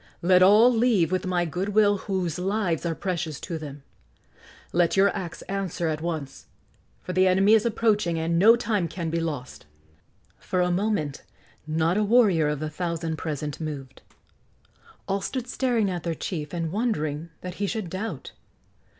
Let all leave with my good will whose lives are precious to them. Let your acts answer at once, for the enemy is approaching and no time can be lost!" For a moment not a warrior of the thousand present moved. All stood staring at their chief and wondering that he should doubt.